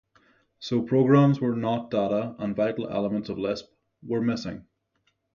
So programs were not data, and vital elements of Lisp were missing.